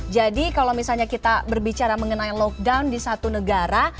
jadi kalau misalnya kita berbicara mengenai lockdown di satu negara